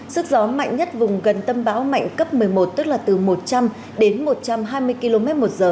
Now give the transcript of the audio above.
sức gió mạnh nhất vùng gần tâm bão mạnh cấp một mươi một tức là từ một trăm linh đến một trăm hai mươi km một giờ